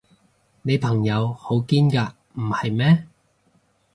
你朋友好堅㗎，唔係咩？